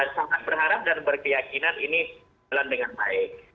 sangat berharap dan berkeyakinan ini berlanjutan baik